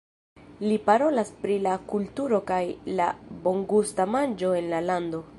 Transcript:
Li parolas pri la kulturo kaj la bongusta manĝo en la lando.